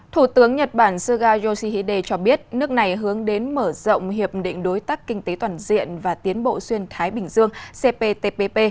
thủ tướng nhật bản suga yoshihide cho biết nước này hướng đến mở rộng hiệp định đối tác kinh tế toàn diện và tiến bộ xuyên thái bình dương cptpp